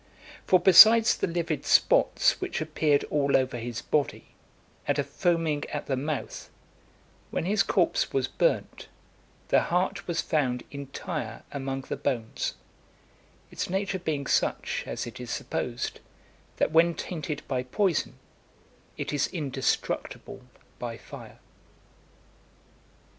For besides the livid spots which appeared all over his body, and a foaming at the mouth; when his corpse was burnt, the heart was found entire among the bones; its nature being such, as it is supposed, that when tainted by poison, it is indestructible by fire.